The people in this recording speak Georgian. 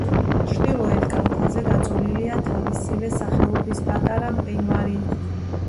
ჩრდილოეთ კალთაზე გაწოლილია თავისივე სახელობის პატარა მყინვარი.